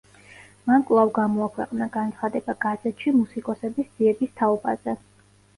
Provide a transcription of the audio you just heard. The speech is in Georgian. მან კვლავ გამოაქვეყნა განცხადება გაზეთში მუსიკოსების ძიების თაობაზე.